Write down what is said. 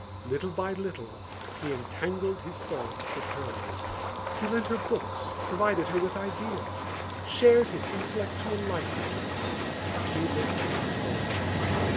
Little by little he entangled his thoughts with hers. He lent her books, provided her with ideas, shared his intellectual life with her. She listened to all.